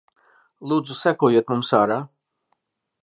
Lūdzu sekojiet mums ārā.